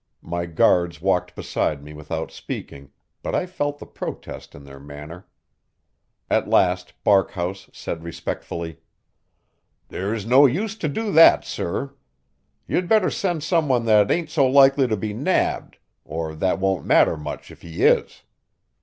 My guards walked beside me without speaking, but I felt the protest in their manner. At last Barkhouse said respectfully: "There's no use to do that, sir. You'd better send some one that ain't so likely to be nabbed, or that won't matter much if he is.